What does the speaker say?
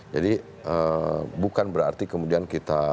jadi bukan berarti kemudian kita